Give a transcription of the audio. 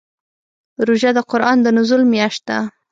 روژه د قران د نزول میاشت ده.